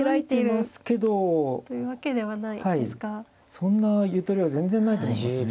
そんなゆとりは全然ないと思いますね。